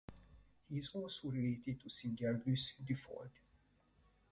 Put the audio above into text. He is also related to singer Luce Dufault.